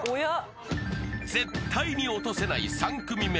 ［絶対に落とせない３組目。